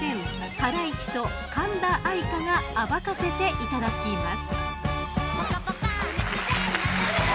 ハライチと神田愛花が暴かせていただきます。